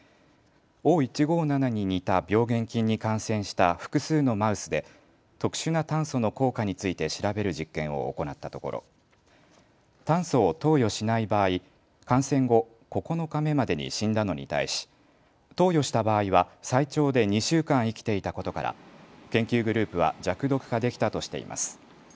Ｏ１５７に似た病原菌に感染した複数のマウスで特殊な炭素の効果について調べる実験を行ったところ炭素を投与しない場合感染後９日目までに死んだのに対し投与した場合は最長で２週間生きていたことから研究グループは弱毒化できたとしています。